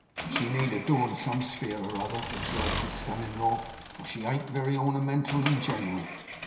'She need adorn some sphere or other,' observed the son in law, for she ain't very ornamental in general.